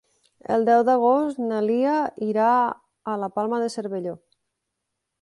El deu d'agost na Lia irà a la Palma de Cervelló.